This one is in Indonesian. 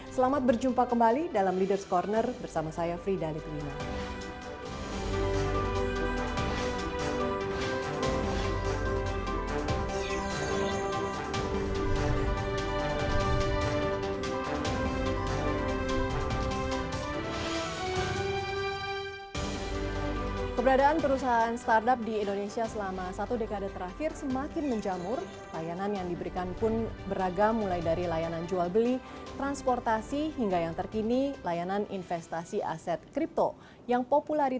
selamat berjumpa kembali dalam leaders corner bersama saya frida litwina